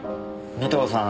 尾藤さん